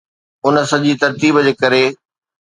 ان سڄي ترتيب جي ڪري